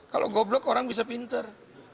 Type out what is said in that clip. kalau goblok orang bisa pinter